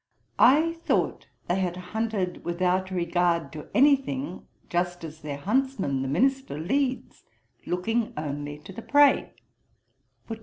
I thought they had hunted without regard to any thing, just as their huntsmen, the Minister, leads, looking only to the prey.'